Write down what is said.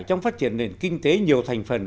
trong phát triển nền kinh tế nhiều thành phần